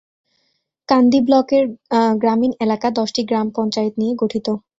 কান্দি ব্লকের গ্রামীণ এলাকা দশটি গ্রাম পঞ্চায়েত নিয়ে গঠিত।